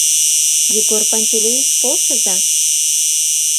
— Егор Пантелеич, полшыза?